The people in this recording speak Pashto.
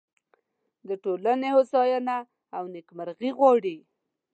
د ټولنې هوساینه او نیکمرغي غواړي.